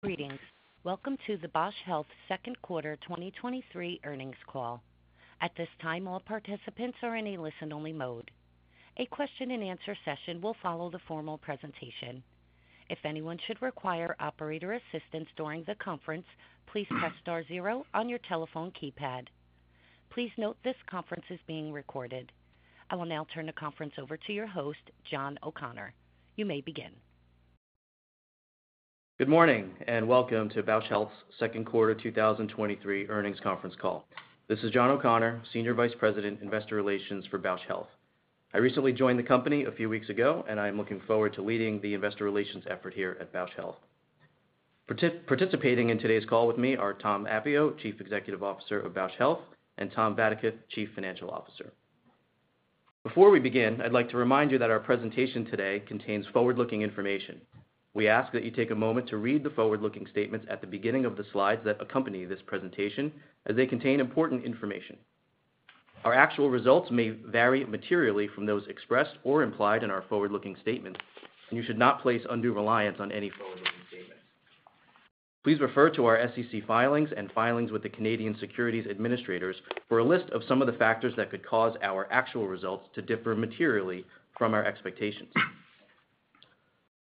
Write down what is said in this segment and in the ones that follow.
Greetings. Welcome to the Bausch Health second quarter 2023 earnings call. At this time, all participants are in a listen-only mode. A question-and-answer session will follow the formal presentation. If anyone should require operator assistance during the conference, please press star zero on your telephone keypad. Please note this conference is being recorded. I will now turn the conference over to your host, John O'Connor. You may begin. Good morning, and welcome to Bausch Health's second quarter 2023 earnings conference call. This is John O'Connor, Senior Vice President, Investor Relations for Bausch Health. I recently joined the company a few weeks ago, and I'm looking forward to leading the investor relations effort here at Bausch Health. Participating in today's call with me are Tom Appio, Chief Executive Officer of Bausch Health, and Tom Vadaketh, Chief Financial Officer. Before we begin, I'd like to remind you that our presentation today contains forward-looking information. We ask that you take a moment to read the forward-looking statements at the beginning of the slides that accompany this presentation, as they contain important information. Our actual results may vary materially from those expressed or implied in our forward-looking statements, and you should not place undue reliance on any forward-looking statements. Please refer to our SEC filings and filings with the Canadian Securities Administrators for a list of some of the factors that could cause our actual results to differ materially from our expectations.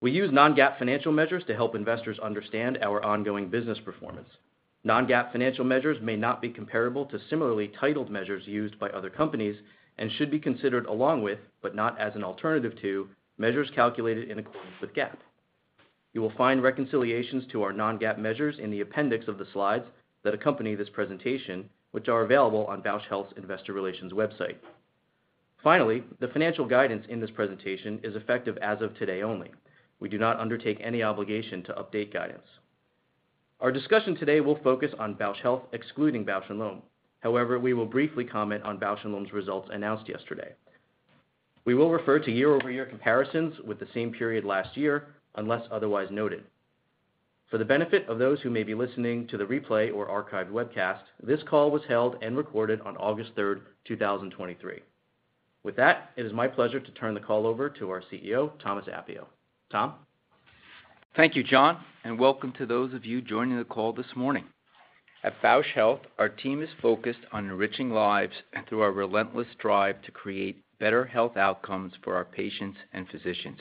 We use non-GAAP financial measures to help investors understand our ongoing business performance. Non-GAAP financial measures may not be comparable to similarly titled measures used by other companies and should be considered along with, but not as an alternative to, measures calculated in accordance with GAAP. You will find reconciliations to our non-GAAP measures in the appendix of the slides that accompany this presentation, which are available on Bausch Health's Investor Relations website. Finally, the financial guidance in this presentation is effective as of today only. We do not undertake any obligation to update guidance. Our discussion today will focus on Bausch Health, excluding Bausch + Lomb. We will briefly comment on Bausch + Lomb's results announced yesterday. We will refer to year-over-year comparisons with the same period last year, unless otherwise noted. For the benefit of those who may be listening to the replay or archived webcast, this call was held and recorded on August 3, 2023. With that, it is my pleasure to turn the call over to our CEO, Thomas Appio. Tom? Thank you, John, welcome to those of you joining the call this morning. At Bausch Health, our team is focused on enriching lives and through our relentless drive to create better health outcomes for our patients and physicians.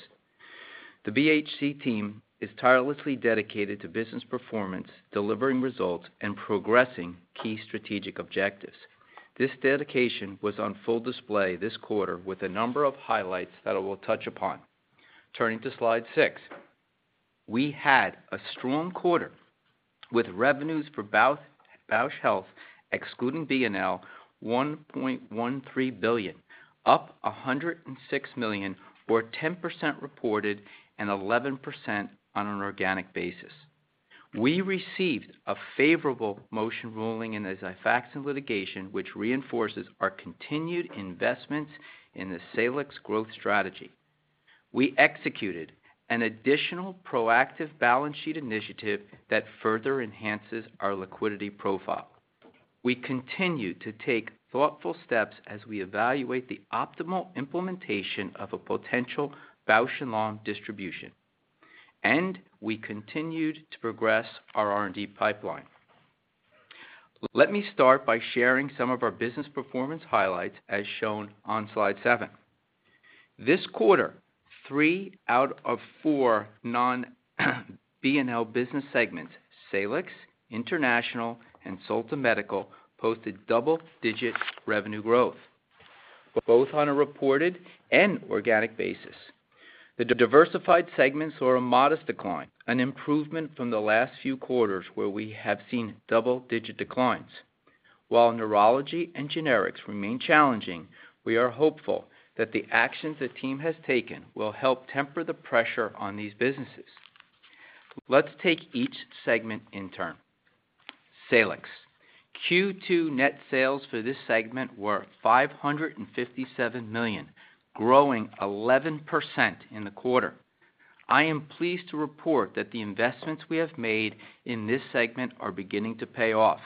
The BHC team is tirelessly dedicated to business performance, delivering results, and progressing key strategic objectives. This dedication was on full display this quarter with a number of highlights that I will touch upon. Turning to slide 6. We had a strong quarter with revenues for Bausch, Bausch Health, excluding B&L, $1.13 billion, up $106 million, or 10% reported and 11% on an organic basis. We received a favorable motion ruling in the Xifaxan litigation, which reinforces our continued investments in the Salix growth strategy. We executed an additional proactive balance sheet initiative that further enhances our liquidity profile. We continue to take thoughtful steps as we evaluate the optimal implementation of a potential Bausch + Lomb distribution, and we continued to progress our R&D pipeline. Let me start by sharing some of our business performance highlights, as shown on slide 7. This quarter, three out of four non-B&L business segments, Salix, International, and Solta Medical, posted double-digit revenue growth, both on a reported and organic basis. The diversified segments saw a modest decline, an improvement from the last few quarters, where we have seen double-digit declines. While neurology and generics remain challenging, we are hopeful that the actions the team has taken will help temper the pressure on these businesses. Let's take each segment in turn. Salix. Q2 net sales for this segment were $557 million, growing 11% in the quarter. I am pleased to report that the investments we have made in this segment are beginning to pay off.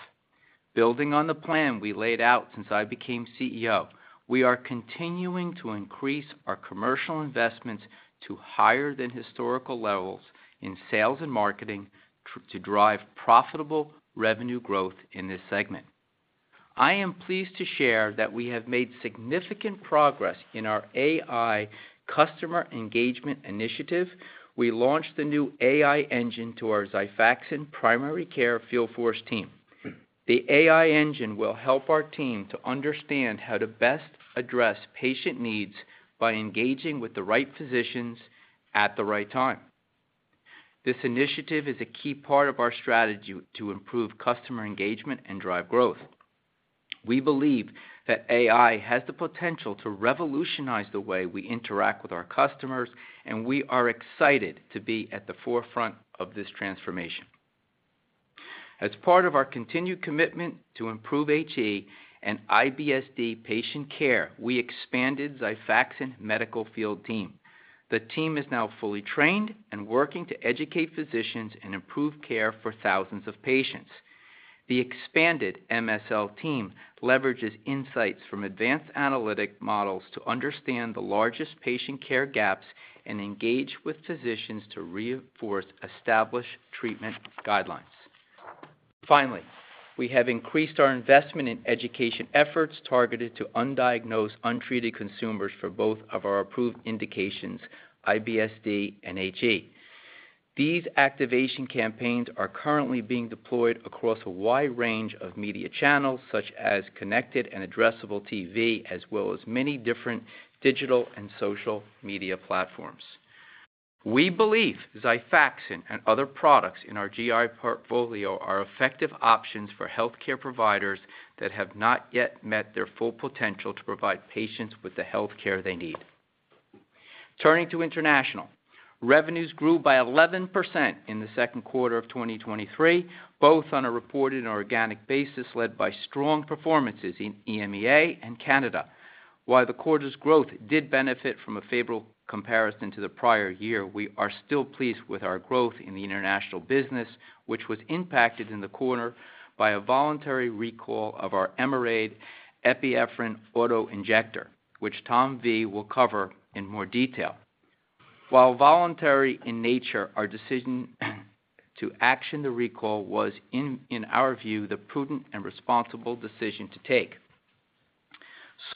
Building on the plan we laid out since I became CEO, we are continuing to increase our commercial investments to higher than historical levels in sales and marketing to drive profitable revenue growth in this segment. I am pleased to share that we have made significant progress in our AI customer engagement initiative. We launched the new AI engine to our Xifaxan primary care field force team. The AI engine will help our team to understand how to best address patient needs by engaging with the right physicians at the right time. This initiative is a key part of our strategy to improve customer engagement and drive growth. We believe that AI has the potential to revolutionize the way we interact with our customers. We are excited to be at the forefront of this transformation. As part of our continued commitment to improve HE and IBS-D patient care, we expanded Xifaxan medical field team. The team is now fully trained and working to educate physicians and improve care for thousands of patients. The expanded MSL team leverages insights from advanced analytic models to understand the largest patient care gaps and engage with physicians to reinforce established treatment guidelines. Finally, we have increased our investment in education efforts targeted to undiagnosed, untreated consumers for both of our approved indications, IBS-D and HE. These activation campaigns are currently being deployed across a wide range of media channels, such as connected and addressable TV, as well as many different digital and social media platforms. We believe Xifaxan and other products in our GI portfolio are effective options for healthcare providers that have not yet met their full potential to provide patients with the healthcare they need. Turning to international. Revenues grew by 11% in the second quarter of 2023, both on a reported and organic basis, led by strong performances in EMEA and Canada. While the quarter's growth did benefit from a favorable comparison to the prior year, we are still pleased with our growth in the international business, which was impacted in the quarter by a voluntary recall of our Emerade epinephrine auto-injector, which Tom V. will cover in more detail. While voluntary in nature, our decision to action the recall was, in, in our view, the prudent and responsible decision to take.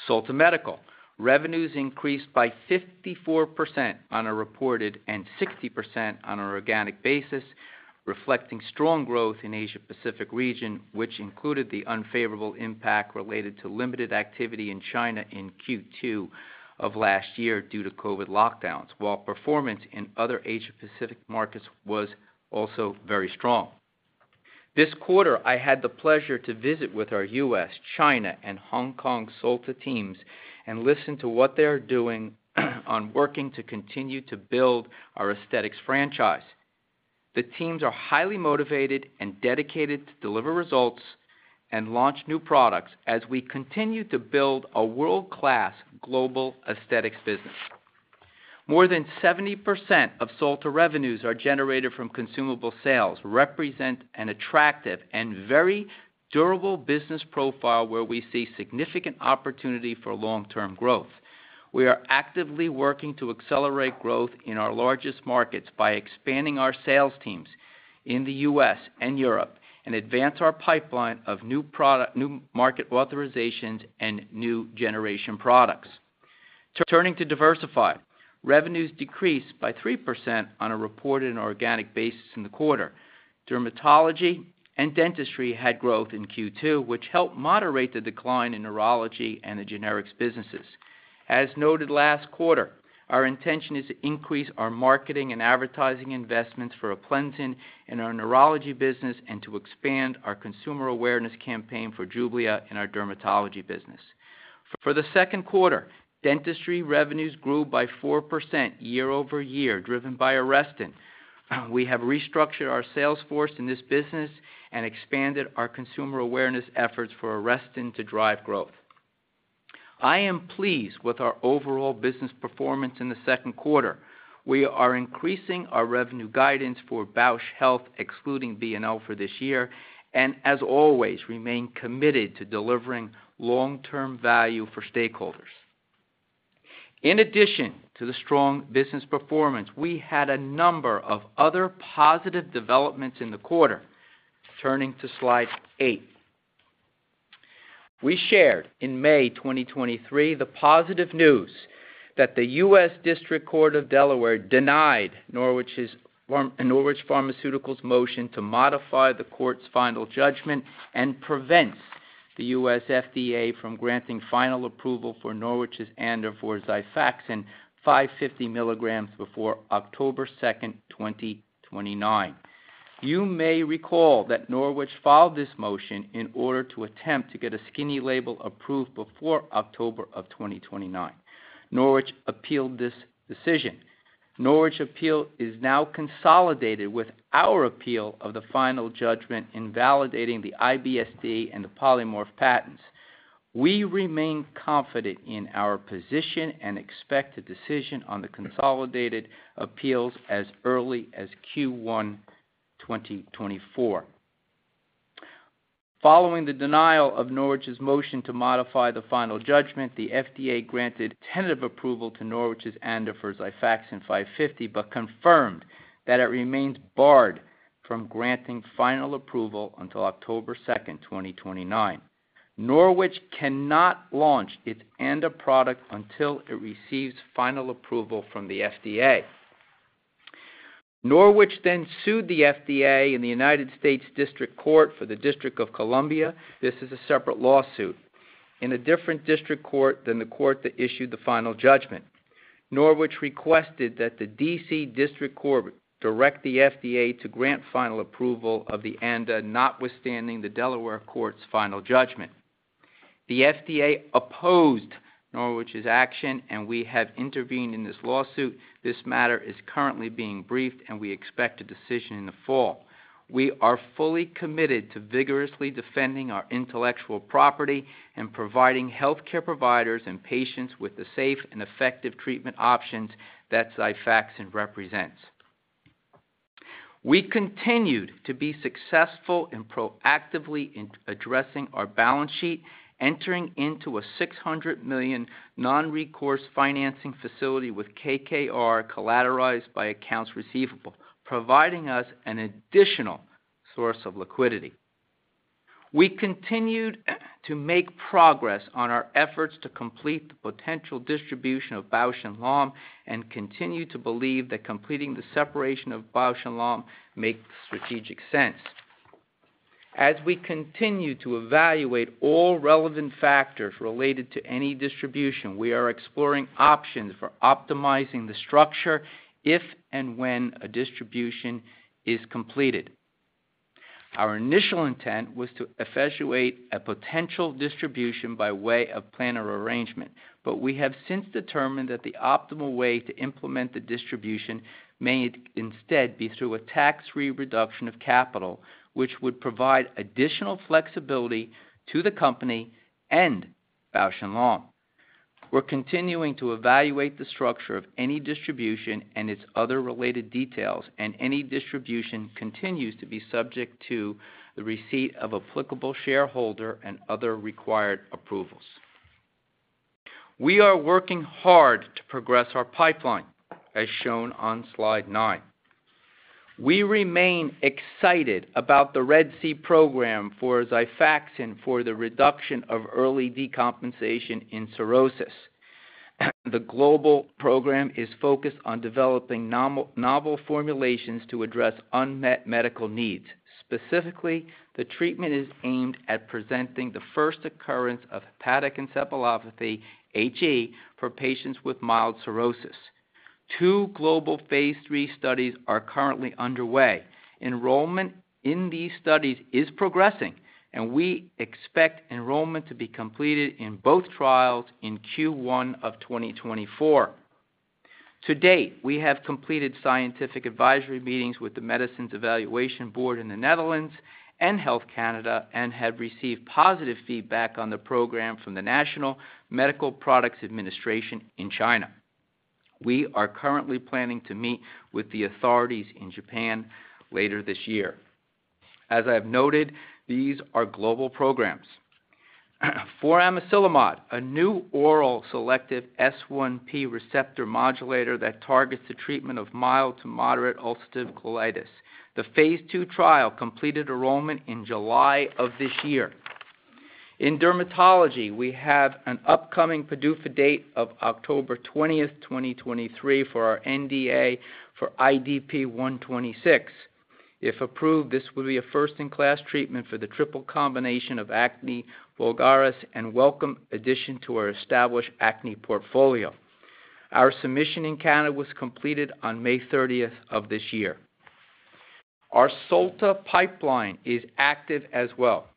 Solta Medical. Revenues increased by 54% on a reported and 60% on an organic basis, reflecting strong growth in Asia Pacific region, which included the unfavorable impact related to limited activity in China in Q2 of last year due to COVID lockdowns, while performance in other Asia Pacific markets was also very strong. This quarter, I had the pleasure to visit with our U.S., China, and Hong Kong Solta teams and listen to what they are doing on working to continue to build our aesthetics franchise. The teams are highly motivated and dedicated to deliver results and launch new products as we continue to build a world-class global aesthetics business. More than 70% of Solta revenues are generated from consumable sales, represent an attractive and very durable business profile, where we see significant opportunity for long-term growth. We are actively working to accelerate growth in our largest markets by expanding our sales teams in the US and Europe and advance our pipeline of new market authorizations and new generation products. Turning to diversified. Revenues decreased by 3% on a reported and organic basis in the quarter. Dermatology and dentistry had growth in Q2, which helped moderate the decline in neurology and the generics businesses. As noted last quarter, our intention is to increase our marketing and advertising investments for Aplenzin in our neurology business and to expand our consumer awareness campaign for JUBLIA in our dermatology business. For the second quarter, dentistry revenues grew by 4% year-over-year, driven by Arestin. We have restructured our sales force in this business and expanded our consumer awareness efforts for Arestin to drive growth. I am pleased with our overall business performance in the second quarter. We are increasing our revenue guidance for Bausch Health, excluding B&L, for this year, and as always, remain committed to delivering long-term value for stakeholders. In addition to the strong business performance, we had a number of other positive developments in the quarter. Turning to slide 8. We shared in May 2023, the positive news that the U.S. District Court for the District of Delaware denied Norwich Pharmaceuticals' motion to modify the court's final judgment and prevents the U.S. FDA from granting final approval for Norwich's and for Xifaxan 550 mg before October second, 2029. You may recall that Norwich filed this motion in order to attempt to get a skinny label approved before October of 2029. Norwich appealed this decision. Norwich appeal is now consolidated with our appeal of the final judgment invalidating the IBS-D and the polymorph patents. We remain confident in our position and expect a decision on the consolidated appeals as early as Q1 2024. Following the denial of Norwich's motion to modify the final judgment, the FDA granted tentative approval to Norwich's ANDA for Xifaxan 550, but confirmed that it remains barred from granting final approval until October 2, 2029. Norwich cannot launch its ANDA product until it receives final approval from the FDA. Norwich sued the FDA in the U.S. District Court for the District of Columbia. This is a separate lawsuit in a different district court than the court that issued the final judgment. Norwich requested that the D.C. District Court direct the FDA to grant final approval of the ANDA, notwithstanding the Delaware Court's final judgment. The FDA opposed Norwich's action, we have intervened in this lawsuit. This matter is currently being briefed, and we expect a decision in the fall. We are fully committed to vigorously defending our intellectual property and providing healthcare providers and patients with the safe and effective treatment options that Xifaxan represents. We continued to be successful in proactively in addressing our balance sheet, entering into a $600 million non-recourse financing facility with KKR, collateralized by accounts receivable, providing us an additional source of liquidity. We continued to make progress on our efforts to complete the potential distribution of Bausch + Lomb, and continue to believe that completing the separation of Bausch + Lomb makes strategic sense. As we continue to evaluate all relevant factors related to any distribution, we are exploring options for optimizing the structure, if and when a distribution is completed. Our initial intent was to effectuate a potential distribution by way of plan of arrangement, but we have since determined that the optimal way to implement the distribution may instead be through a tax-free reduction of capital, which would provide additional flexibility to the company and Bausch + Lomb. We're continuing to evaluate the structure of any distribution and its other related details, and any distribution continues to be subject to the receipt of applicable shareholder and other required approvals. We are working hard to progress our pipeline, as shown on slide 9. We remain excited about the RED-C program for Xifaxan for the reduction of early decompensation in cirrhosis. The global program is focused on developing novel formulations to address unmet medical needs. Specifically, the treatment is aimed at presenting the first occurrence of hepatic encephalopathy, HE, for patients with mild cirrhosis. Two global phase III studies are currently underway. Enrollment in these studies is progressing, and we expect enrollment to be completed in both trials in Q1 of 2024. To date, we have completed scientific advisory meetings with the Medicines Evaluation Board in the Netherlands and Health Canada, and have received positive feedback on the program from the National Medical Products Administration in China. We are currently planning to meet with the authorities in Japan later this year. As I've noted, these are global programs. For amiselimod, a new oral selected S1P receptor modulator that targets the treatment of mild to moderate ulcerative colitis. The phase II trial completed enrollment in July of this year. In dermatology, we have an upcoming PDUFA date of October 20th, 2023, for our NDA for IDP126. If approved, this will be a first-in-class treatment for the triple combination of acne vulgaris, and welcome addition to our established acne portfolio. Our submission in Canada was completed on May 30th of this year. Our Solta pipeline is active as well.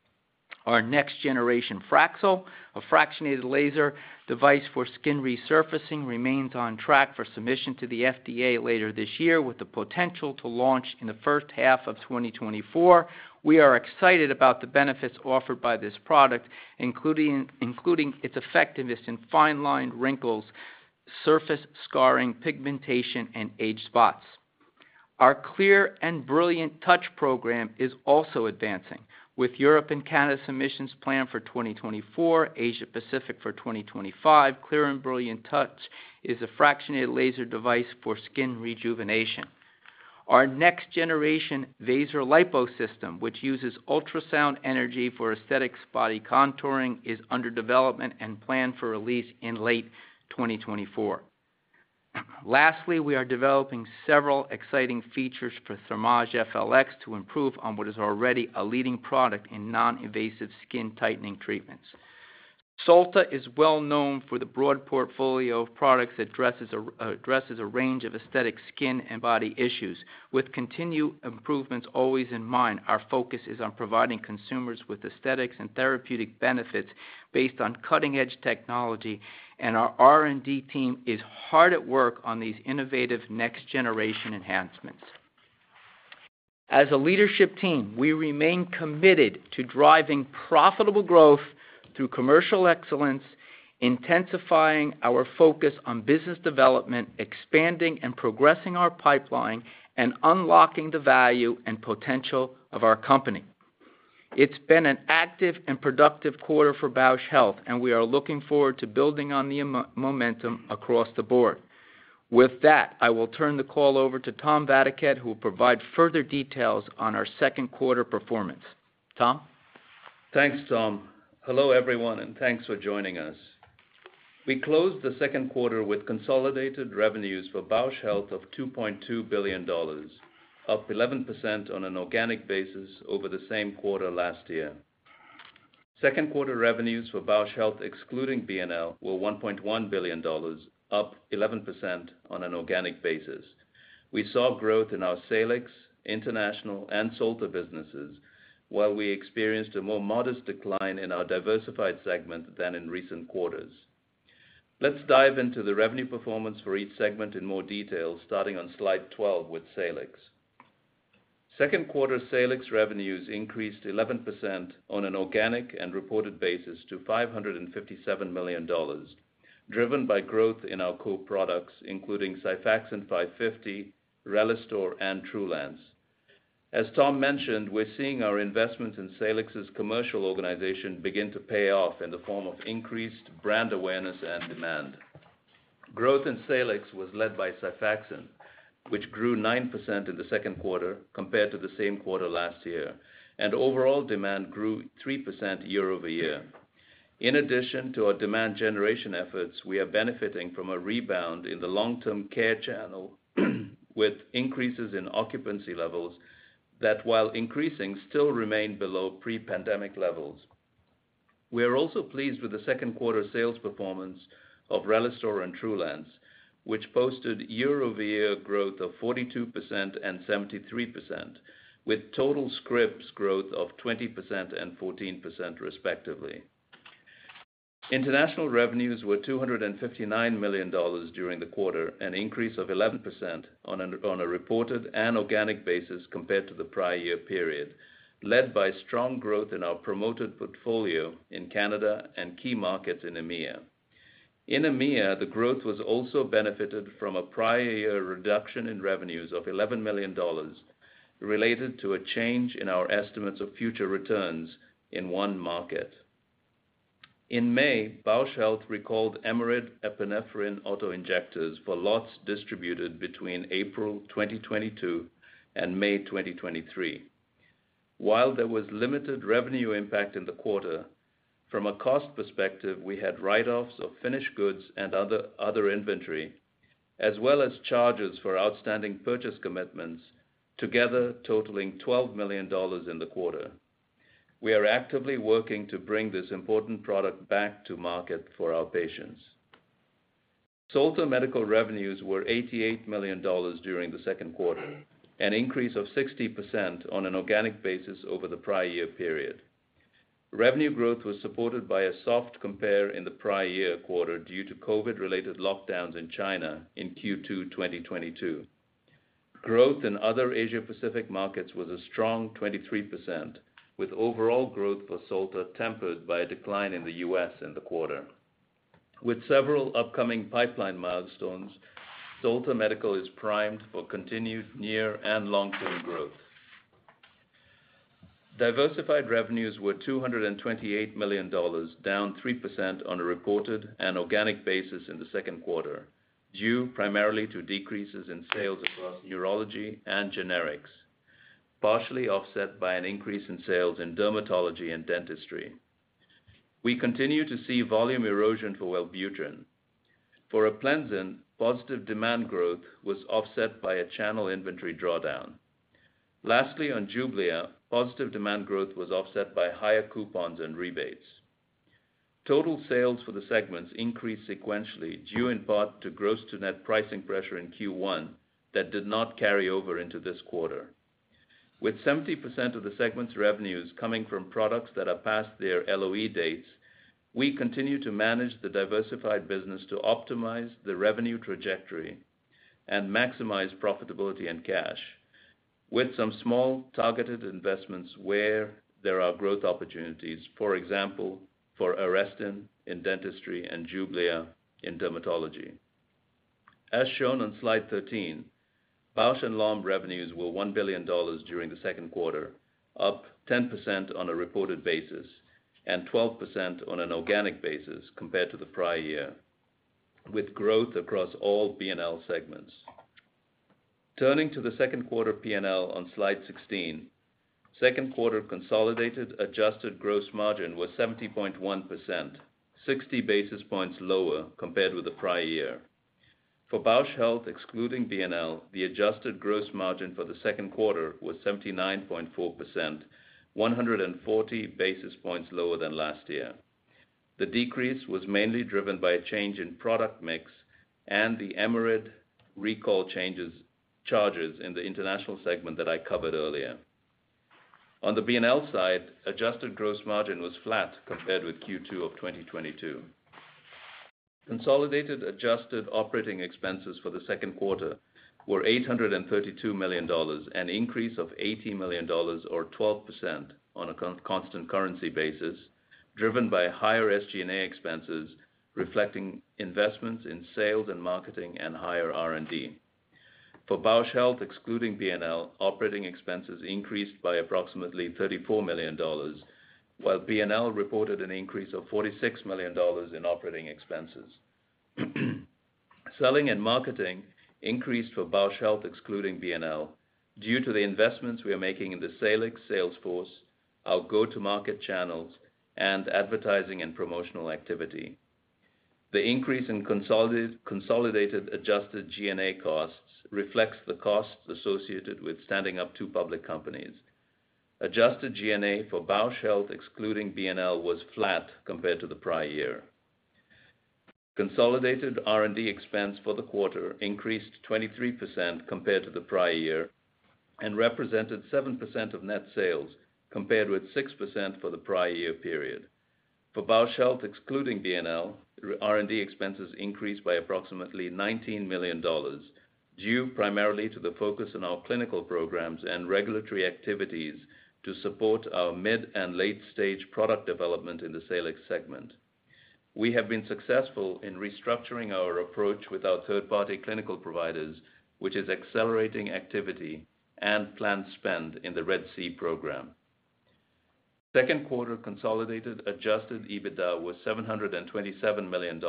Our next generation Fraxel, a fractionated laser device for skin resurfacing, remains on track for submission to the FDA later this year, with the potential to launch in the first half of 2024. We are excited about the benefits offered by this product, including its effectiveness in fine-line wrinkles, surface scarring, pigmentation, and age spots. Our Clear + Brilliant Touch program is also advancing, with Europe and Canada submissions planned for 2024, Asia Pacific for 2025. Clear + Brilliant Touch is a fractionated laser device for skin rejuvenation. Our next generation VASERlipo System, which uses ultrasound energy for aesthetics body contouring, is under development and planned for release in late 2024. Lastly, we are developing several exciting features for Thermage FLX to improve on what is already a leading product in non-invasive skin tightening treatments. Solta is well known for the broad portfolio of products addresses a range of aesthetic skin and body issues. With continued improvements always in mind, our focus is on providing consumers with aesthetics and therapeutic benefits based on cutting-edge technology, our R&D team is hard at work on these innovative next-generation enhancements. As a leadership team, we remain committed to driving profitable growth through commercial excellence, intensifying our focus on business development, expanding and progressing our pipeline, and unlocking the value and potential of our company. It's been an active and productive quarter for Bausch Health, we are looking forward to building on the momentum across the board. With that, I will turn the call over to Tom Vadaketh, who will provide further details on our second quarter performance. Tom? Thanks, Tom. Hello, everyone, thanks for joining us. We closed the second quarter with consolidated revenues for Bausch Health of $2.2 billion, up 11% on an organic basis over the same quarter last year. Second quarter revenues for Bausch Health, excluding B&L, were $1.1 billion, up 11% on an organic basis. We saw growth in our Salix, International, and Solta businesses, while we experienced a more modest decline in our diversified segment than in recent quarters. Let's dive into the revenue performance for each segment in more detail, starting on slide 12 with Salix. Second quarter Salix revenues increased 11% on an organic and reported basis to $557 million, driven by growth in our core products, including Xifaxan 550, RELISTOR, and TRULANCE. As Tom mentioned, we're seeing our investments in Salix's commercial organization begin to pay off in the form of increased brand awareness and demand. Growth in Salix was led by Xifaxan, which grew 9% in the second quarter compared to the same quarter last year, and overall demand grew 3% year-over-year. In addition to our demand generation efforts, we are benefiting from a rebound in the long-term care channel, with increases in occupancy levels that, while increasing, still remain below pre-pandemic levels. We are also pleased with the second quarter sales performance of RELISTOR and TRULANCE, which posted year-over-year growth of 42% and 73%, with total scripts growth of 20% and 14% respectively. International revenues were $259 million during the quarter, an increase of 11% on a reported and organic basis compared to the prior year period, led by strong growth in our promoted portfolio in Canada and key markets in EMEA. In EMEA, the growth was also benefited from a prior year reduction in revenues of $11 million, related to a change in our estimates of future returns in one market. In May, Bausch Health recalled Emerade epinephrine auto-injectors for lots distributed between April 2022 and May 2023. While there was limited revenue impact in the quarter, from a cost perspective, we had write-offs of finished goods and other inventory, as well as charges for outstanding purchase commitments, together totaling $12 million in the quarter. We are actively working to bring this important product back to market for our patients. Solta Medical revenues were $88 million during the second quarter, an increase of 60% on an organic basis over the prior year period. Revenue growth was supported by a soft compare in the prior year quarter due to COVID-related lockdowns in China in Q2 2022. Growth in other Asia Pacific markets was a strong 23%, with overall growth for Solta tempered by a decline in the US in the quarter. With several upcoming pipeline milestones, Solta Medical is primed for continued near and long-term growth. Diversified revenues were $228 million, down 3% on a reported and organic basis in the second quarter, due primarily to decreases in sales across urology and generics, partially offset by an increase in sales in dermatology and dentistry. We continue to see volume erosion for Wellbutrin. For Aplenzin, positive demand growth was offset by a channel inventory drawdown. Lastly, on JUBLIA, positive demand growth was offset by higher coupons and rebates. Total sales for the segments increased sequentially, due in part to gross to net pricing pressure in Q1 that did not carry over into this quarter. With 70% of the segment's revenues coming from products that are past their LOE dates, we continue to manage the diversified business to optimize the revenue trajectory and maximize profitability and cash, with some small targeted investments where there are growth opportunities, for example, for Arestin in dentistry and JUBLIA in dermatology. As shown on slide 13, Bausch + Lomb revenues were $1 billion during the second quarter, up 10% on a reported basis and 12% on an organic basis compared to the prior year, with growth across all B+L segments. Turning to the second quarter P&L on slide 16, second quarter consolidated adjusted gross margin was 70.1%, 60 basis points lower compared with the prior year. For Bausch Health, excluding Bausch + Lomb, the adjusted gross margin for the second quarter was 79.4%, 140 basis points lower than last year. The decrease was mainly driven by a change in product mix and the Emerade recall charges in the international segment that I covered earlier. On the Bausch + Lomb side, adjusted gross margin was flat compared with Q2 of 2022. Consolidated adjusted operating expenses for the second quarter were $832 million, an increase of $80 million or 12% on a constant currency basis, driven by higher SG&A expenses, reflecting investments in sales and marketing and higher R&D. For Bausch Health, excluding B+L, operating expenses increased by approximately $34 million, while B+L reported an increase of $46 million in operating expenses. Selling and marketing increased for Bausch Health, excluding B+L, due to the investments we are making in the Salix sales force, our go-to-market channels, and advertising and promotional activity. The increase in consolidated adjusted G&A costs reflects the costs associated with standing up two public companies. Adjusted G&A for Bausch Health, excluding B+L, was flat compared to the prior year. Consolidated R&D expense for the quarter increased 23% compared to the prior year and represented 7% of net sales, compared with 6% for the prior year period.... For Bausch Health, excluding BNL, R&D expenses increased by approximately $19 million, due primarily to the focus on our clinical programs and regulatory activities to support our mid- and late-stage product development in the Salix segment. We have been successful in restructuring our approach with our third-party clinical providers, which is accelerating activity and planned spend in the RED-C program. Second quarter consolidated adjusted EBITDA was $727 million,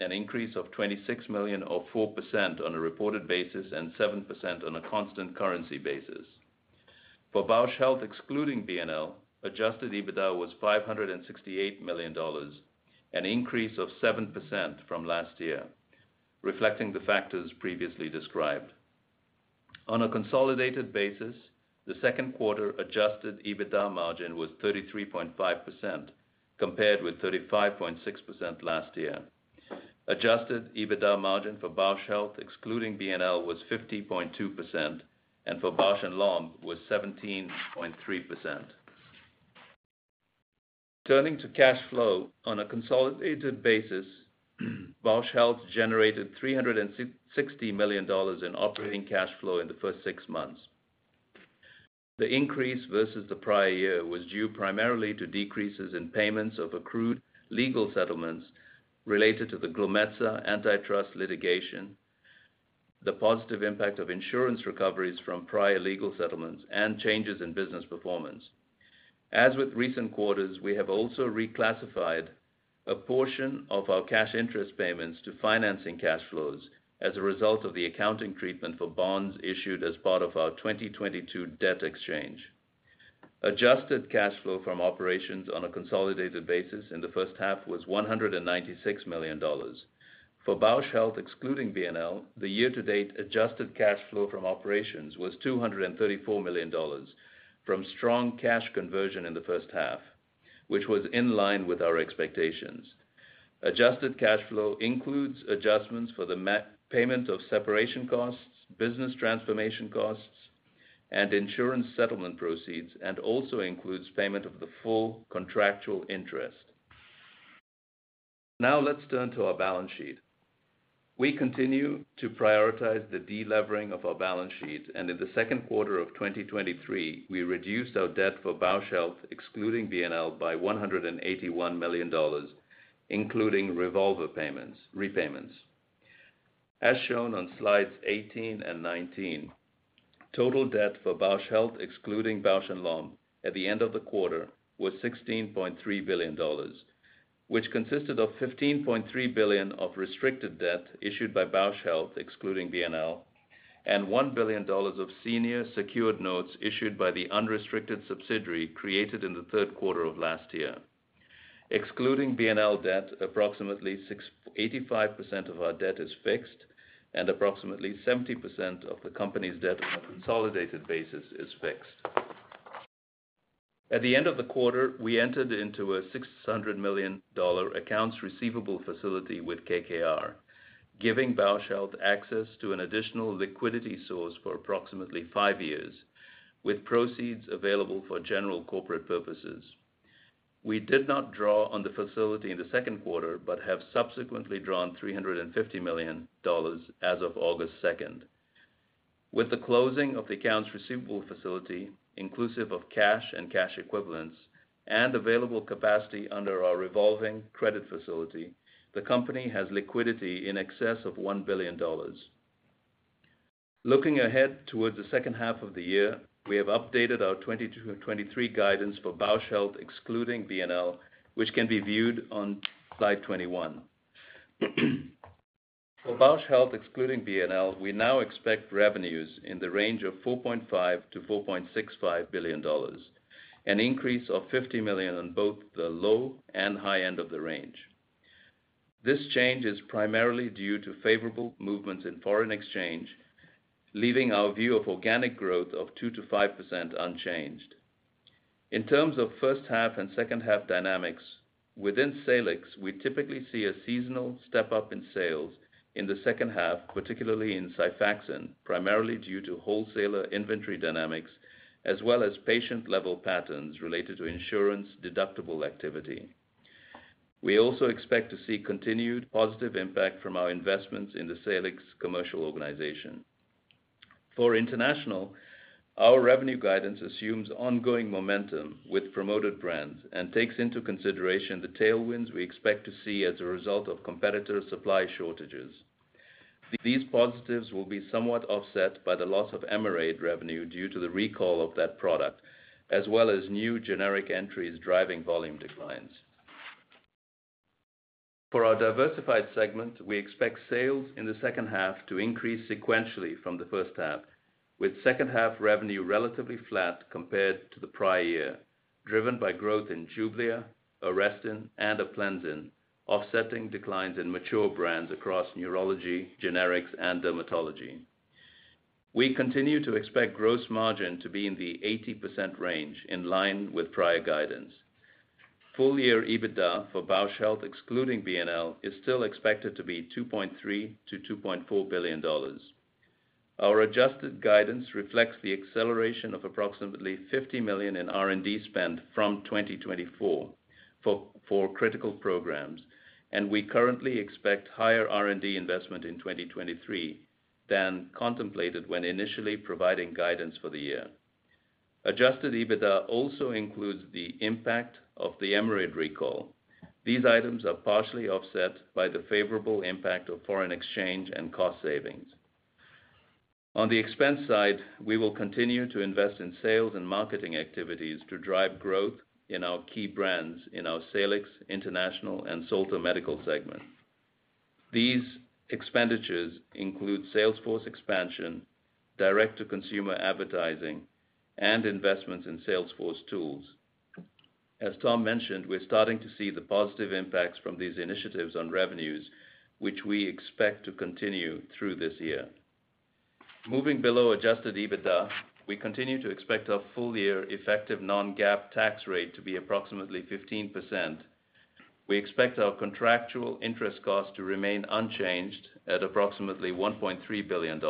an increase of $26 million or 4% on a reported basis, and 7% on a constant currency basis. For Bausch Health, excluding BNL, adjusted EBITDA was $568 million, an increase of 7% from last year, reflecting the factors previously described. On a consolidated basis, the second quarter adjusted EBITDA margin was 33.5%, compared with 35.6% last year. Adjusted EBITDA margin for Bausch Health, excluding BNL, was 15.2%, and for Bausch + Lomb was 17.3%. Turning to cash flow. On a consolidated basis, Bausch Health generated $360 million in operating cash flow in the first six months. The increase versus the prior year was due primarily to decreases in payments of accrued legal settlements related to the Glumetza antitrust litigation, the positive impact of insurance recoveries from prior legal settlements, and changes in business performance. As with recent quarters, we have also reclassified a portion of our cash interest payments to financing cash flows as a result of the accounting treatment for bonds issued as part of our 2022 debt exchange. Adjusted cash flow from operations on a consolidated basis in the first half was $196 million. For Bausch Health, excluding BNL, the year-to-date adjusted cash flow from operations was $234 million, from strong cash conversion in the first half, which was in line with our expectations. Adjusted cash flow includes adjustments for the payment of separation costs, business transformation costs, and insurance settlement proceeds, and also includes payment of the full contractual interest. Now, let's turn to our balance sheet. We continue to prioritize the delevering of our balance sheet, and in the second quarter of 2023, we reduced our debt for Bausch Health, excluding BNL, by $181 million, including revolver repayments. As shown on slides 18 and 19, total debt for Bausch Health, excluding Bausch + Lomb, at the end of the quarter was $16.3 billion, which consisted of $15.3 billion of restricted debt issued by Bausch Health, excluding BNL, and $1 billion of senior secured notes issued by the unrestricted subsidiary created in the third quarter of last year. Excluding BNL debt, approximately 85% of our debt is fixed, and approximately 70% of the company's debt on a consolidated basis is fixed. At the end of the quarter, we entered into a $600 million accounts receivable facility with KKR, giving Bausch Health access to an additional liquidity source for approximately 5 years, with proceeds available for general corporate purposes. We did not draw on the facility in the second quarter, but have subsequently drawn $350 million as of August second. With the closing of the accounts receivable facility, inclusive of cash and cash equivalents, and available capacity under our revolving credit facility, the company has liquidity in excess of $1 billion. Looking ahead towards the second half of the year, we have updated our 2023 guidance for Bausch Health, excluding BNL, which can be viewed on slide 21. For Bausch Health, excluding BNL, we now expect revenues in the range of $4.5 billion-$4.65 billion, an increase of $50 million on both the low and high end of the range. This change is primarily due to favorable movements in foreign exchange, leaving our view of organic growth of 2%-5% unchanged. In terms of first half and second half dynamics, within Salix, we typically see a seasonal step-up in sales in the second half, particularly in Xifaxan, primarily due to wholesaler inventory dynamics, as well as patient level patterns related to insurance deductible activity. We also expect to see continued positive impact from our investments in the Salix commercial organization. For International, our revenue guidance assumes ongoing momentum with promoted brands and takes into consideration the tailwinds we expect to see as a result of competitor supply shortages. These positives will be somewhat offset by the loss of Emerade revenue due to the recall of that product, as well as new generic entries driving volume declines. For our Diversified segment, we expect sales in the second half to increase sequentially from the first half, with second half revenue relatively flat compared to the prior year, driven by growth in JUBLIA, Arestin, and Aplenzin, offsetting declines in mature brands across neurology, generics, and dermatology. We continue to expect gross margin to be in the 80% range, in line with prior guidance. Full-year EBITDA for Bausch Health, excluding BNL, is still expected to be $2.3 billion-$2.4 billion. Our adjusted guidance reflects the acceleration of approximately $50 million in R&D spend from 2024 for critical programs, and we currently expect higher R&D investment in 2023 than contemplated when initially providing guidance for the year. Adjusted EBITDA also includes the impact of the Emerade recall. These items are partially offset by the favorable impact of foreign exchange and cost savings. On the expense side, we will continue to invest in sales and marketing activities to drive growth in our key brands in our Salix, International, and Solta Medical segment. These expenditures include salesforce expansion, direct-to-consumer advertising, and investments in salesforce tools. As Tom mentioned, we're starting to see the positive impacts from these initiatives on revenues, which we expect to continue through this year. Moving below adjusted EBITDA, we continue to expect our full year effective non-GAAP tax rate to be approximately 15%. We expect our contractual interest costs to remain unchanged at approximately $1.3 billion.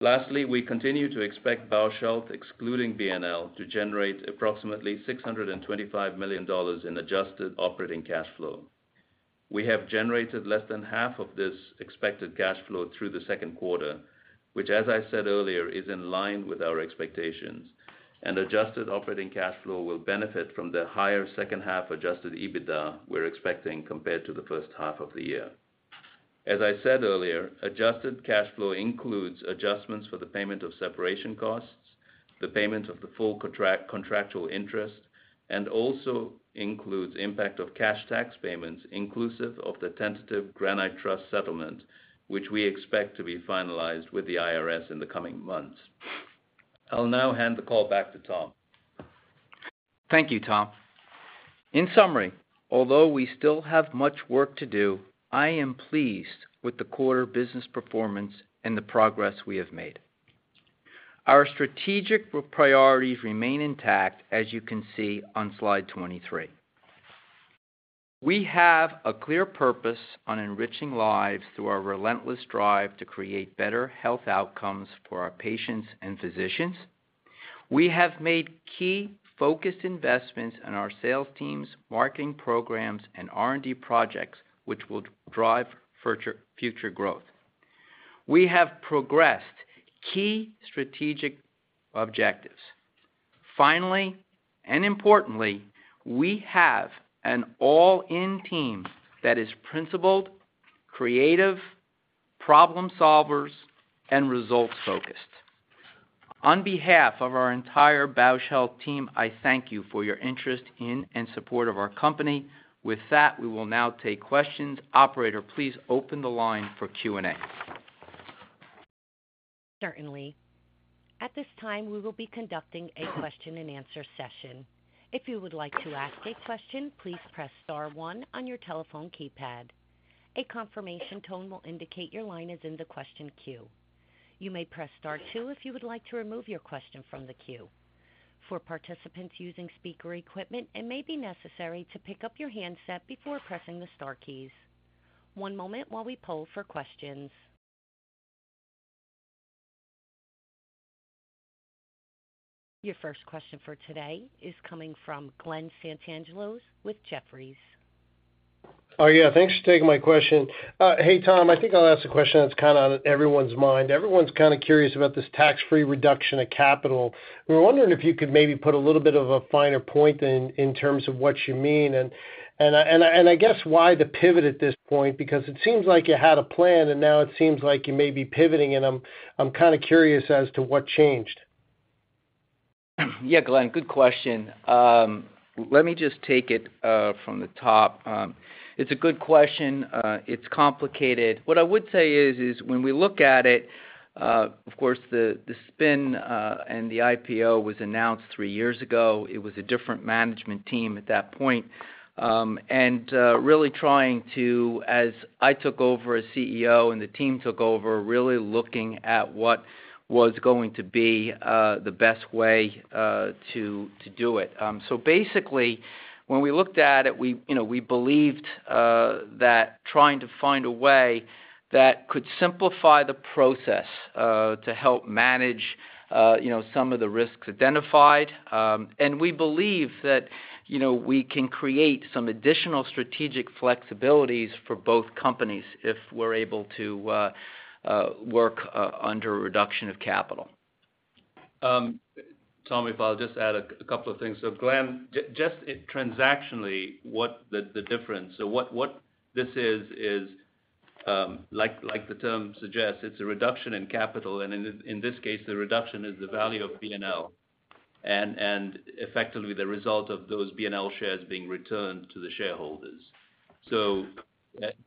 Lastly, we continue to expect Bausch Health, excluding BNL, to generate approximately $625 million in adjusted operating cash flow. We have generated less than half of this expected cash flow through the second quarter, which, as I said earlier, is in line with our expectations. Adjusted operating cash flow will benefit from the higher second half-adjusted EBITDA we're expecting compared to the first half of the year. As I said earlier, adjusted cash flow includes adjustments for the payment of separation costs, the payment of the full contractual interest, also includes impact of cash tax payments, inclusive of the tentative Granite Trust settlement, which we expect to be finalized with the IRS in the coming months. I'll now hand the call back to Tom. Thank you, Tom. In summary, although we still have much work to do, I am pleased with the quarter business performance and the progress we have made. Our strategic priorities remain intact, as you can see on slide 23. We have a clear purpose on enriching lives through our relentless drive to create better health outcomes for our patients and physicians. We have made key focused investments in our sales teams, marketing programs, and R&D projects, which will drive future growth. We have progressed key strategic objectives. Finally, and importantly, we have an all-in team that is principled, creative, problem solvers, and results focused. On behalf of our entire Bausch Health team, I thank you for your interest in and support of our company. With that, we will now take questions. Operator, please open the line for Q&A. Certainly. At this time, we will be conducting a question-and-answer session. If you would like to ask a question, please press star one on your telephone keypad. A confirmation tone will indicate your line is in the question queue. You may press star two if you would like to remove your question from the queue. For participants using speaker equipment, it may be necessary to pick up your handset before pressing the star keys. One moment while we poll for questions. Your first question for today is coming from Glen Santangelo with Jefferies. Oh, yeah, thanks for taking my question. Hey, Tom, I think I'll ask a question that's kind of on everyone's mind. Everyone's kind of curious about this Tax-Free Reduction of Capital. We were wondering if you could maybe put a little bit of a finer point in terms of what you mean, and I guess why the pivot at this point? Because it seems like you had a plan, and now it seems like you may be pivoting, and I'm kind of curious as to what changed. Yeah, Glenn, good question. Let me just take it from the top. It's a good question. It's complicated. What I would say is, is when we look at it, of course, the, the spin, and the IPO was announced 3 years ago. It was a different management team at that point. Really trying to, as I took over as CEO and the team took over, really looking at what was going to be the best way to do it. Basically, when we looked at it, we, you know, we believed that trying to find a way that could simplify the process to help manage, you know, some of the risks identified, and we believe that, you know, we can create some additional strategic flexibilities for both companies if we're able to work under a reduction of capital. Tom, if I'll just add a couple of things. Glen, just transactionally, what the, the difference... what, what this is, is, like, like the term suggests, it's a reduction in capital, and in this, in this case, the reduction is the value of BNL, and, and effectively, the result of those BNL shares being returned to the shareholders. The,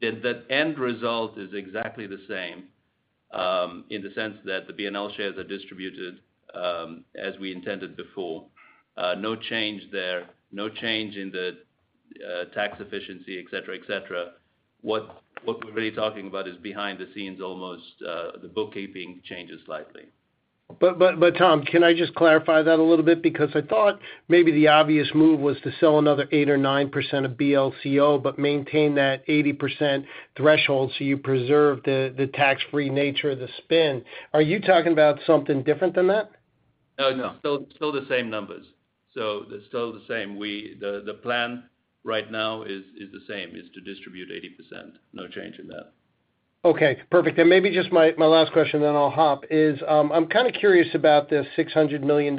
the end result is exactly the same, in the sense that the BNL shares are distributed, as we intended before. No change there, no change in the tax efficiency, et cetera, et cetera. What, what we're really talking about is behind the scenes, almost, the bookkeeping changes slightly. Tom, can I just clarify that a little bit? Because I thought maybe the obvious move was to sell another 8% or 9% of BLCO, but maintain that 80% threshold, so you preserve the, the tax-free nature of the spin. Are you talking about something different than that? No, no, still, still the same numbers. They're still the same. The, the plan right now is, is the same, is to distribute 80%. No change in that. Okay, perfect. Maybe just my, my last question, then I'll hop, is, I'm kind of curious about this $600 million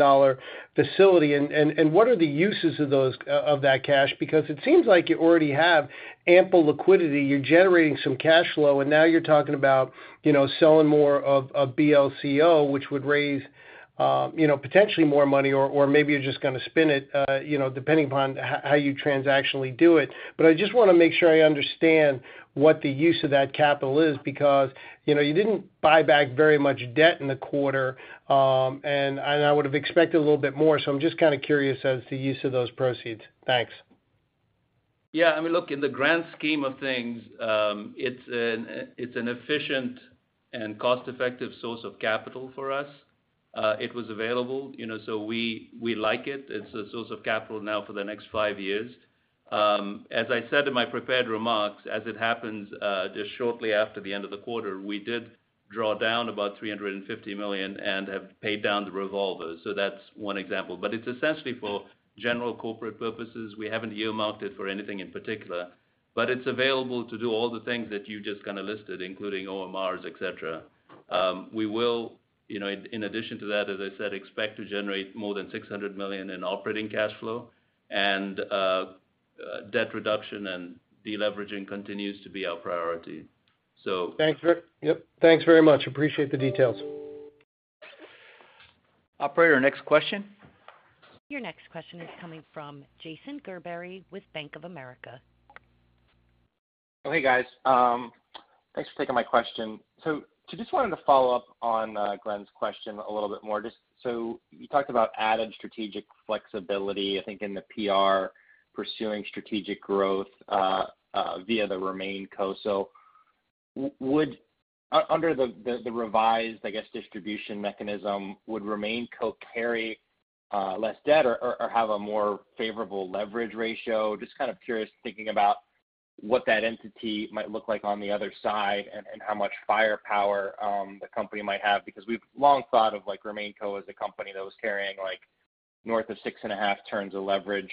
facility and what are the uses of that cash? Because it seems like you already have ample liquidity. You're generating some cash flow, and now you're talking about, you know, selling more of BLCO, which would raise, you know, potentially more money, or maybe you're just gonna spin it, you know, depending upon how you transactionally do it. I just wanna make sure I understand what the use of that capital is, because, you know, you didn't buy back very much debt in the quarter, and I would've expected a little bit more. I'm just kind of curious as to the use of those proceeds. Thanks. Yeah. I mean, look, in the grand scheme of things, it's an efficient and cost-effective source of capital for us. It was available, you know, we like it. It's a source of capital now for the next 5 years. As I said in my prepared remarks, as it happens, just shortly after the end of the quarter, we did draw down about $350 million and have paid down the revolvers. That's 1 example. It's essentially for general corporate purposes. We haven't earmarked it for anything in particular, but it's available to do all the things that you just kind of listed, including OMRs, et cetera. We will, you know, in addition to that, as I said, expect to generate more than $600 million in operating cash flow, and debt reduction and deleveraging continues to be our priority. Yep, thanks very much. Appreciate the details. Operator, next question. Your next question is coming from Jason Gerberry with Bank of America. Hey, guys. Thanks for taking my question. Just wanted to follow up on Glen's question a little bit more. Just so you talked about added strategic flexibility, I think, in the PR, pursuing strategic growth via the RemainCo. Would... Under the revised, I guess, distribution mechanism, would RemainCo carry less debt or have a more favorable leverage ratio? Just kind of curious, thinking about what that entity might look like on the other side and how much firepower the company might have, because we've long thought of, like, RemainCo as a company that was carrying, like, north of 6.5 turns of leverage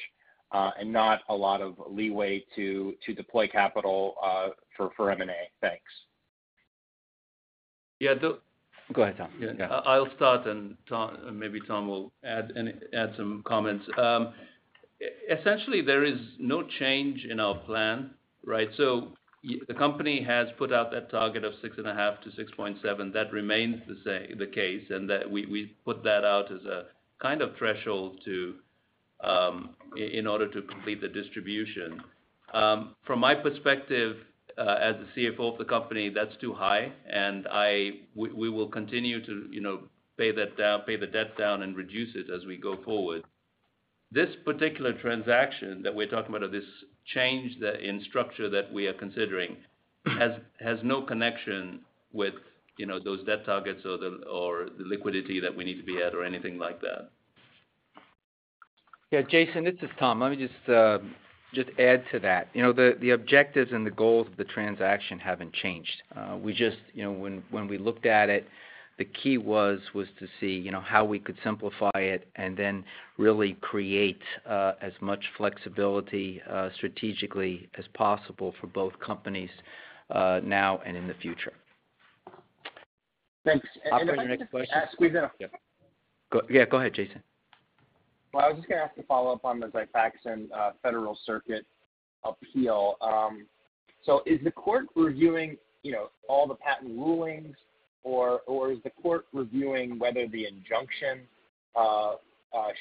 and not a lot of leeway to deploy capital for M&A. Thanks. Yeah. Go ahead, Tom. Yeah. I'll start, and Tom, maybe Tom will add some comments. Essentially, there is no change in our plan, right? So the company has put out that target of 6.5-6.7. That remains the case, and that we, we put that out as a kind of threshold to, in order to complete the distribution. From my perspective, as the CFO of the company, that's too high, and we, we will continue to, you know, pay that down, pay the debt down and reduce it as we go forward. This particular transaction that we're talking about or this change in structure that we are considering, has, has no connection with, you know, those debt targets or the, or the liquidity that we need to be at or anything like that. Yeah, Jason, this is Tom. Let me just add to that. You know, the objectives and the goals of the transaction haven't changed. We just, you know, when we looked at it, the key was to see, you know, how we could simplify it and then really create as much flexibility strategically as possible for both companies, now and in the future. Thanks. Operator, next question. squeeze in. Yeah. Go, yeah, go ahead, Jason. I was just gonna ask a follow-up on the Xifaxan Federal Circuit appeal. Is the court reviewing, you know, all the patent rulings, or, or is the court reviewing whether the injunction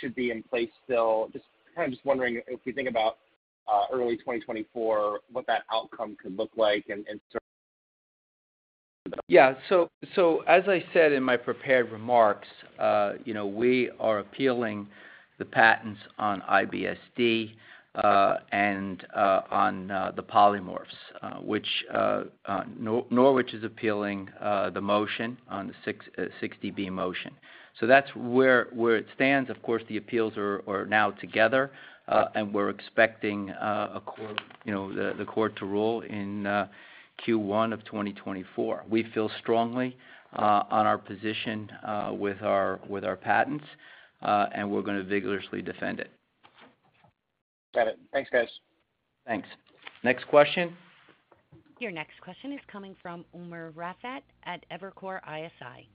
should be in place still? Just kind of just wondering if we think about early 2024, what that outcome could look like. Yeah. As I said in my prepared remarks, you know, we are appealing the patents on IBS-D, and on the polymorphs, which Norwich is appealing the motion on the 60(b) motion. That's where, where it stands. Of course, the appeals are now together, and we're expecting a court, you know, the, the court to rule in Q1 of 2024. We feel strongly on our position with our, with our patents, and we're gonna vigorously defend it. Got it. Thanks, guys. Thanks. Next question? Your next question is coming from Omer Raffat at Evercore ISI.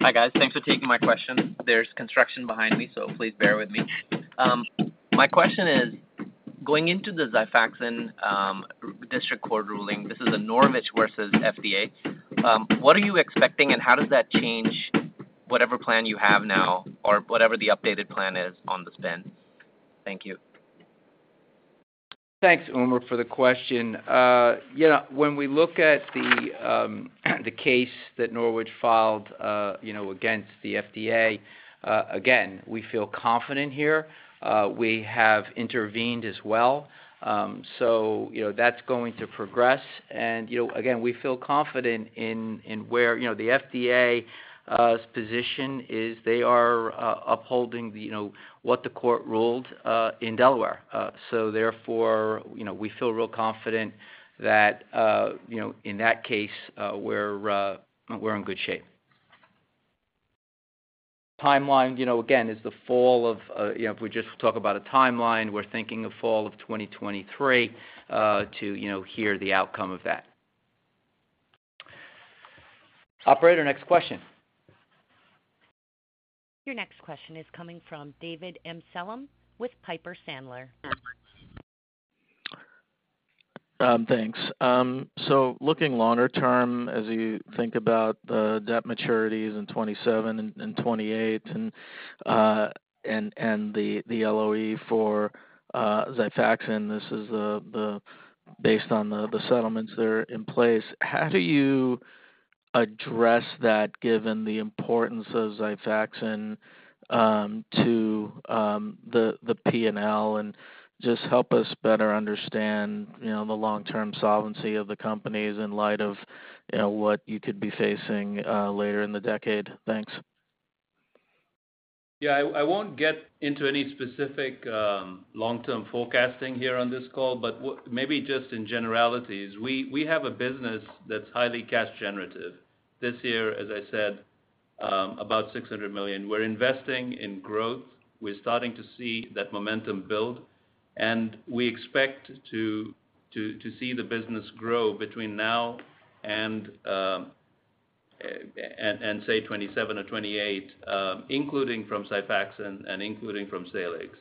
Hi, guys. Thanks for taking my question. There's construction behind me, so please bear with me. My question is, going into the Xifaxan district court ruling, this is a Norwich versus FDA, what are you expecting, and how does that change whatever plan you have now or whatever the updated plan is on the spin? Thank you. Thanks, Omer, for the question. You know, when we look at the case that Norwich filed, you know, against the FDA, again, we feel confident here. We have intervened as well, so, you know, that's going to progress. You know, again, we feel confident in, in, where, you know, the FDA position is they are upholding the, you know, what the court ruled in Delaware. Therefore, you know, we feel real confident that, you know, in that case, we're in good shape. Timeline, you know, again, is the fall of, you know, if we just talk about a timeline, we're thinking of fall of 2023, to, you know, hear the outcome of that. Operator, next question. Your next question is coming from David Amsellem with Piper Sandler. Thanks. So looking longer term, as you think about debt maturities in 2027 and 2028, and the LOE for Xifaxan, this is the based on the settlements that are in place. How do you address that, given the importance of Xifaxan to the P&L? Just help us better understand, you know, the long-term solvency of the companies in light of, you know, what you could be facing later in the decade. Thanks. Yeah, I, I won't get into any specific, long-term forecasting here on this call, but maybe just in generalities, we, we have a business that's highly cash generative. This year, as I said, about $600 million. We're investing in growth. We're starting to see that momentum build, and we expect to see the business grow between now and 2027 or 2028, including from Xifaxan and including from Salix.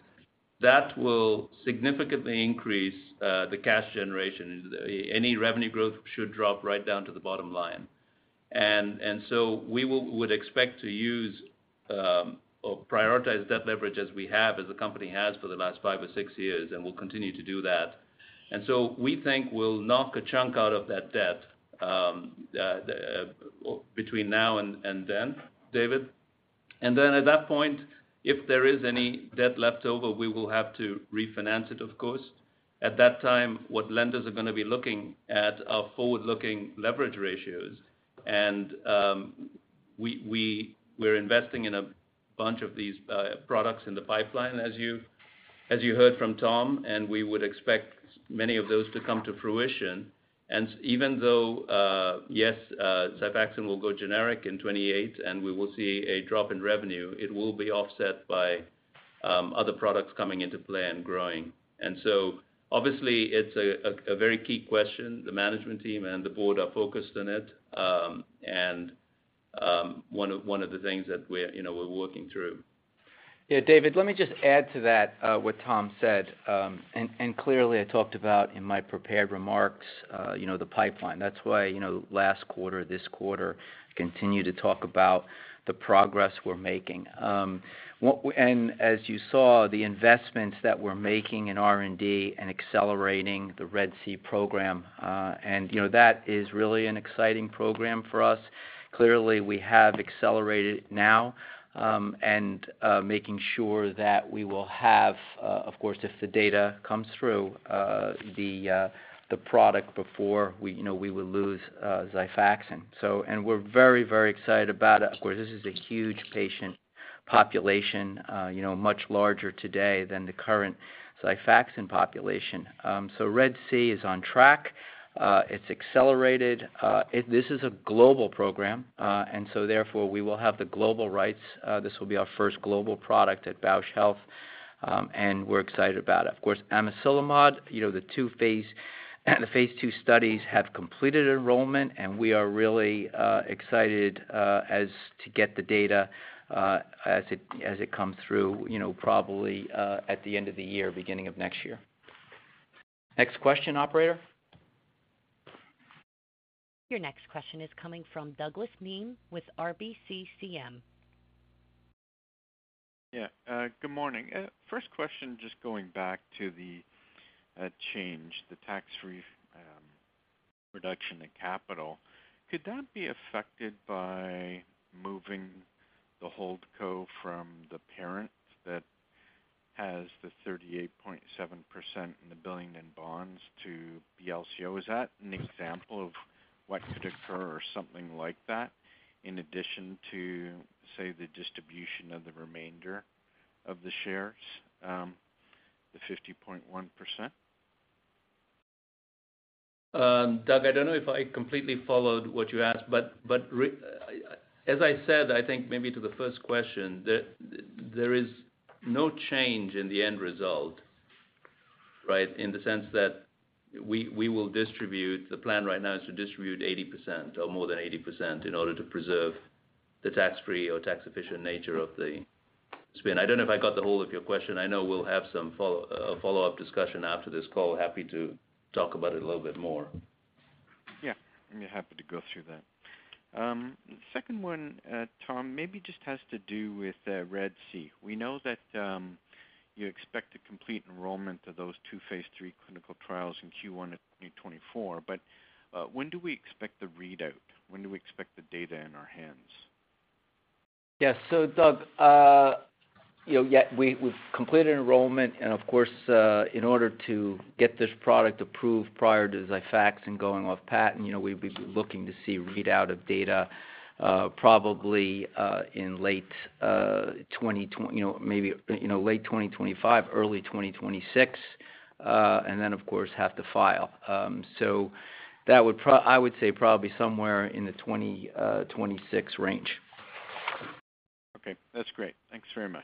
That will significantly increase the cash generation. Any revenue growth should drop right down to the bottom line. We would expect to use, or prioritize debt leverage, as we have, as the company has for the last 5 or 6 years, and we'll continue to do that. We think we'll knock a chunk out of that debt between now and then, David. At that point, if there is any debt left over, we will have to refinance it, of course. At that time, what lenders are gonna be looking at are forward-looking leverage ratios, we, we, we're investing in a bunch of these products in the pipeline, as you, as you heard from Tom, and we would expect many of those to come to fruition. Even though, yes, Xifaxan will go generic in 2028, and we will see a drop in revenue, it will be offset by other products coming into play and growing. Obviously, it's a very key question. The management team and the board are focused on it, and one of, one of the things that we're, you know, we're working through. Yeah, David, let me just add to that, what Tom said. Clearly I talked about in my prepared remarks, you know, the pipeline. That's why, you know, last quarter, this quarter, continue to talk about the progress we're making. As you saw, the investments that we're making in R&D and accelerating the RED-C program, you know, that is really an exciting program for us. Clearly, we have accelerated now, and making sure that we will have, of course, if the data comes through, the product before we, you know, we will lose Xifaxan. We're very, very excited about it. Of course, this is a huge patient population, you know, much larger today than the current Xifaxan population. RED-C is on track. It's accelerated. This is a global program, and so therefore we will have the global rights. This will be our first global product at Bausch Health. We're excited about it. Of course, amiselimod, you know, the phase II studies have completed enrollment, and we are really excited as to get the data as it, as it comes through, you know, probably at the end of the year, beginning of next year. Next question, operator. Your next question is coming from Douglas Miehm with RBCCM. Yeah, good morning. First question, just going back to the change, the tax-free reduction of capital. Could that be affected by moving the hold co from the parent that has the 38.7% and the $1 billion in bonds to BLCO? Is that an example of what could occur or something like that, in addition to, say, the distribution of the remainder of the shares, the 50.1%? Doug, I don't know if I completely followed what you asked, as I said, I think maybe to the first question, there is no change in the end result, right? In the sense that we, we will distribute, the plan right now is to distribute 80% or more than 80% in order to preserve the tax-free or tax-efficient nature of the spin. I don't know if I got the whole of your question. I know we'll have some follow, a follow-up discussion after this call. Happy to talk about it a little bit more. Yeah, I'm happy to go through that. Second one, Tom, maybe just has to do with RED-C. We know that you expect to complete enrollment of those two phase III clinical trials in Q1 of 2024, but when do we expect the readout? When do we expect the data in our hands? Yes. Doug, you know, yeah, we, we've completed enrollment, and of course, in order to get this product approved prior to Xifaxan going off patent, you know, we'd be looking to see readout of data, probably, in late, you know, maybe, you know, late 2025, early 2026, and then, of course, have to file. That would I would say probably somewhere in the 2026 range. Okay, that's great. Thanks very much.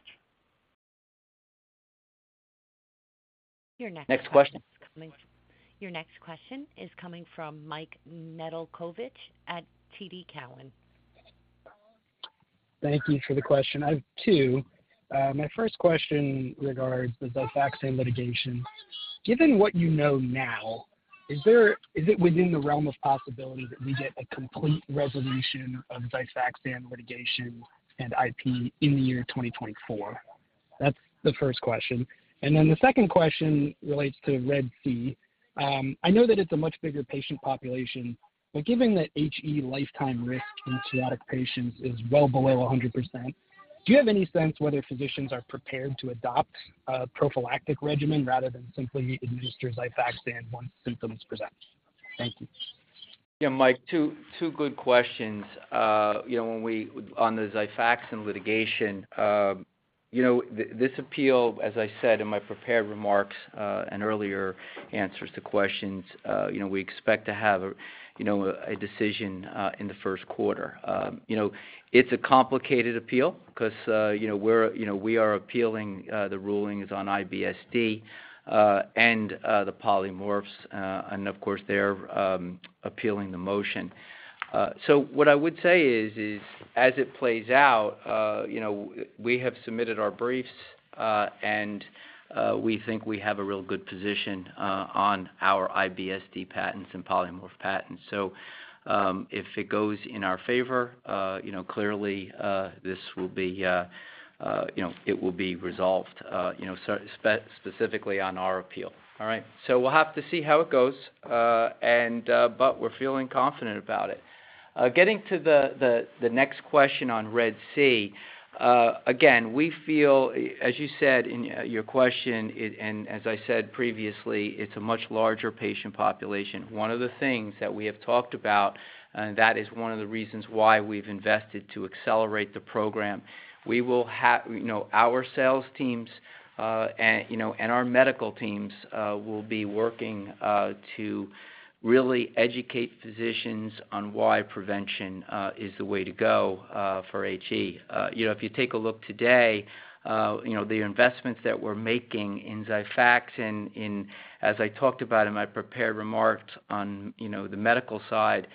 Your next- Next question. Coming. Your next question is coming from Michael Nedelcovych at TD Cowen. Thank you for the question. I have two. My first question regards the Xifaxan litigation. Given what you know now, is it within the realm of possibility that we get a complete resolution of Xifaxan litigation and IP in the year 2024? That's the first question. The second question relates to RED-C. I know that it's a much bigger patient population, but given that HE lifetime risk in cirrhotic patients is well below 100%, do you have any sense whether physicians are prepared to adopt a prophylactic regimen rather than simply administer Xifaxan once symptoms present? Thank you. Yeah, Mike, 2, 2 good questions. You know, when we... On the Xifaxan litigation, you know, this appeal, as I said in my prepared remarks, and earlier answers to questions, you know, we expect to have, you know, a decision in the 1st quarter. You know, it's a complicated appeal because, you know, we're, you know, we are appealing the rulings on IBS-D, and the polymorphs, and of course, they're appealing the motion. What I would say is, is as it plays out, you know, we have submitted our briefs, and we think we have a real good position on our IBS-D patents and polymorph patents. If it goes in our favor, you know, clearly, this will be, you know, it will be resolved, you know, specifically on our appeal. All right? We'll have to see how it goes, and we're feeling confident about it. Getting to the next question on RED-C, we feel, as you said in your question, it, and as I said previously, it's a much larger patient population. One of the things that we have talked about, and that is one of the reasons why we've invested to accelerate the program, we will have, you know, our sales teams, and, you know, and our medical teams, will be working to really educate physicians on why prevention is the way to go for HE. You know, if you take a look today, you know, the investments that we're making in Xifaxan in... As I talked about in my prepared remarks on, you know, the medical side,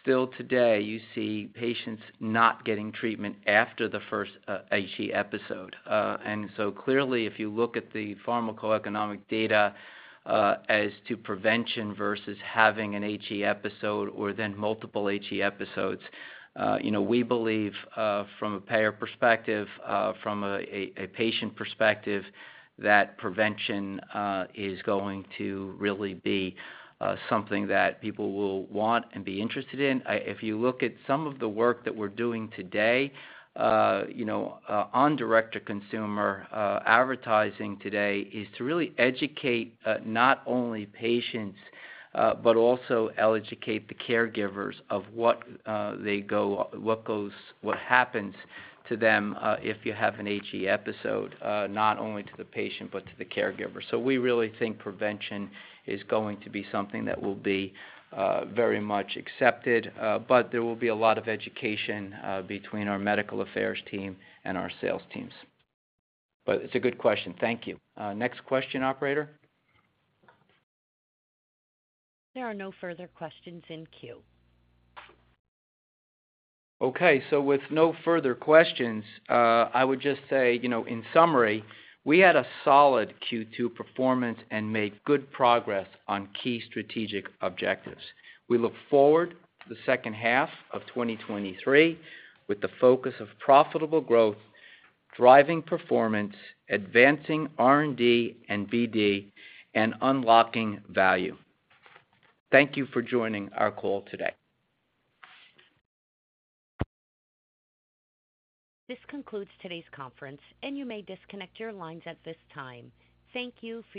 still today, you see patients not getting treatment after the first HE episode. Clearly, if you look at the pharmacoeconomic data, as to prevention versus having an HE episode or then multiple HE episodes, you know, we believe, from a payer perspective, from a, a, a patient perspective, that prevention is going to really be something that people will want and be interested in. If you look at some of the work that we're doing today, on direct-to-consumer advertising today, is to really educate, not only patients, but also educate the caregivers of what they go, what happens to them, if you have an HE episode, not only to the patient, but to the caregiver. We really think prevention is going to be something that will be very much accepted, but there will be a lot of education between our medical affairs team and our sales teams. It's a good question. Thank you. Next question, operator. There are no further questions in queue. Okay, with no further questions, I would just say, you know, in summary, we had a solid Q2 performance and made good progress on key strategic objectives. We look forward to the second half of 2023, with the focus of profitable growth, driving performance, advancing R&D and BD, and unlocking value. Thank you for joining our call today. This concludes today's conference. You may disconnect your lines at this time. Thank you for your participation.